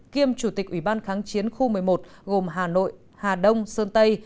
kiêm chủ tịch ủy ban kháng chiến khu một mươi một gồm hà nội hà đông sơn tây